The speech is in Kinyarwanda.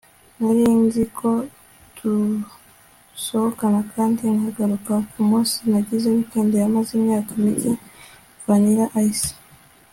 nari nzi ko dusohokana kandi nkagaruka kumunsi nagize weekend yamaze imyaka mike - vanilla ice